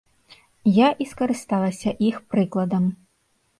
Я і скарысталася іх прыкладам.